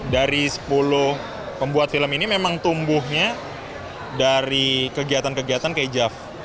dari sepuluh pembuat film ini memang tumbuhnya dari kegiatan kegiatan kayak jav